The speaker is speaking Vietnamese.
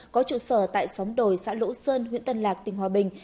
có trụ sở tại xóm đồi xã lỗ sơn huyện tân lạc tỉnh hòa bình